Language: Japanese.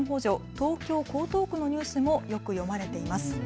東京江東区のニュースもよく読まれています。